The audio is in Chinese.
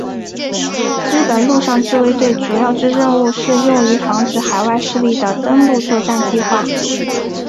日本陆上自卫队主要之任务是用于防止海外势力的登陆作战计划。